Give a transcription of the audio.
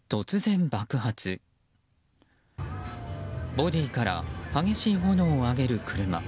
ボディーから激しい炎を上げる車。